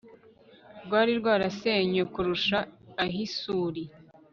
rwari rwarasenywe kurusha ah'isuri